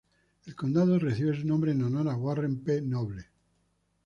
El condado recibe su nombre en honor a Warren P. Noble.